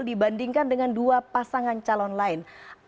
dibandingkan dengan dua pasangan calon lain